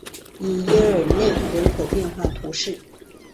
比耶尔内人口变化图示